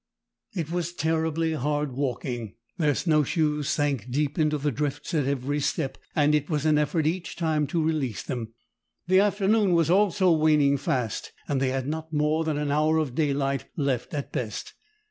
It was terribly hard walking. Their snow shoes sank deep into the drifts at every step, and it was an effort each time to release them. The afternoon was also waning fast, and they had not more than an hour of daylight left at best.